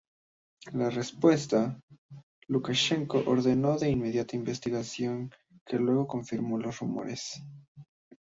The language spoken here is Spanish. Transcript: En respuesta, Lukashenko ordenó una inmediata investigación que luego confirmó los rumores.